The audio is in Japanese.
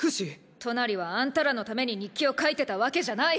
トナリはあんたらのために日記を書いてたわけじゃない！